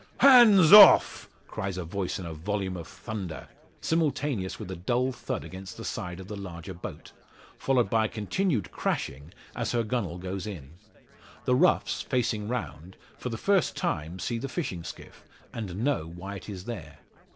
"Hands off!" cries a voice in a volume of thunder, simultaneous with a dull thud against the side of the larger boat, followed by a continued crashing as her gunwale goes in. The roughs, facing round, for the first time see the fishing skiff, and know why it is there.